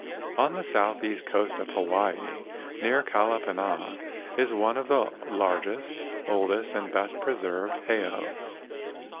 On the southeast coast of Hawaii near Kalapana is one of the largest, oldest, and best preserved heiaus.